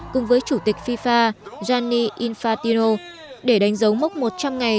cùng với chủ tịch fifa gianni infatino để đánh dấu mốc một trăm linh ngày